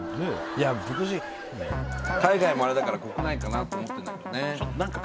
いや今年海外もあれだから国内かなと思ってんだけどね